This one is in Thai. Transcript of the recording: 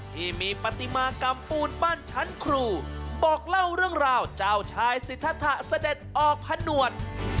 ที่มีปฏิมากรรมปูนปั้นชั้นครูบอกเล่าเรื่องราวเจ้าชายสิทธะเสด็จออกผนวด